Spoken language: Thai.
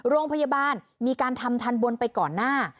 โรงพยาบาลมีการทำทันบนไปก่อนหน้า